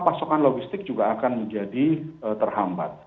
pasokan logistik juga akan menjadi terhambat